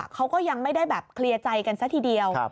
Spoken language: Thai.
เขาก็ยังไม่ได้แบบเคลียร์ใจกันซะทีเดียว